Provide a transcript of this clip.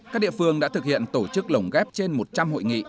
các địa phương đã thực hiện tổ chức lồng ghép trên một trăm linh hội nghị